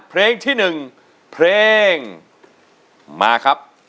เพลงที่๑เพลงมาครับ